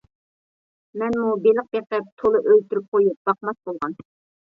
مەنمۇ بېلىق بېقىپ تولا ئۆلتۈرۈپ قويۇپ باقماس بولغان.